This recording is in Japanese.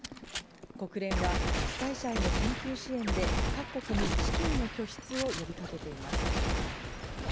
国連は、被災者への緊急支援で各国に資金の拠出を呼びかけています。